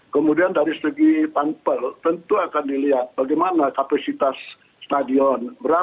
kemudian tentu keamanan